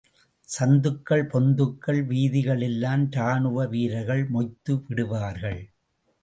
சந்துகள், பொந்துகள், வீதிகள் எல்லாம் ராணுவ வீரர்கள் மொய்த்து விடுவார்கள்.